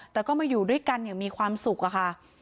แต่ก็มาอยู่ด้วยกันอย่างมีความสุขอะค่ะ